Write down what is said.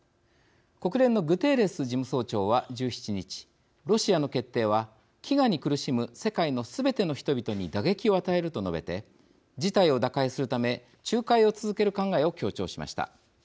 国連のグテーレス事務総長は１７日、ロシアの決定は飢餓に苦しむ世界のすべての人々に打撃を与えると述べて事態を打開するため仲介を続ける考えを強調しました。